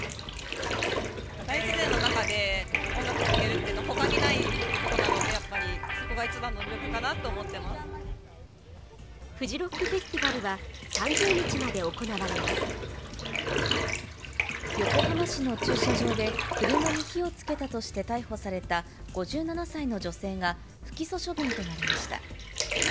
大自然の中で音楽聴けるっていうのはほかにないことなので、やっぱり、そこが一番の魅力かなフジロックフェスティバルは横浜市の駐車場で、車に火をつけたとして逮捕された５７歳の女性が不起訴処分となりました。